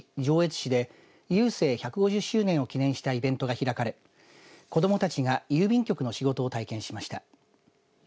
市で郵政１５０周年を記念したイベントが開かれ子どもたちが郵便局の仕事を体験しました。